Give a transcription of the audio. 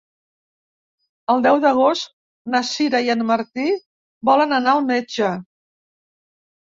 El deu d'agost na Sira i en Martí volen anar al metge.